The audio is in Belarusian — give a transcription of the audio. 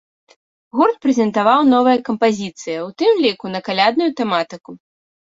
Гурт прэзентаваў новыя кампазіцыя, у тым ліку на калядную тэматыку.